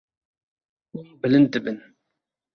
Hûn bilind dibin.